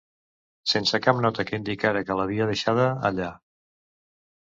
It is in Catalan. Sense cap nota que indicara qui l'havia deixada allà.